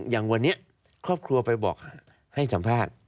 อย่างวันนี้ครอบครัวไปบอกให้สัมภาษณ์